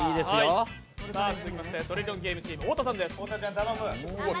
続きまして「トリリオンゲーム」チーム、太田さんです。